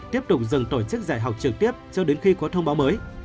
tiếp tục dừng tổ chức dạy học trực tiếp cho đến khi có thông báo mới